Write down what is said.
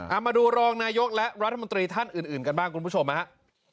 เอามาดูรองนายกและรัฐมนตรีท่านอื่นกันบ้างคุณผู้ชมนะครับ